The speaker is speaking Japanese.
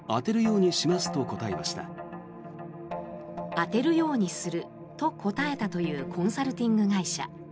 当てるようにすると答えたというコンサルティング会社。